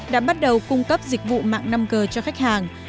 đã bắt đầu cung cấp dịch vụ mạng năm g cho khách hàng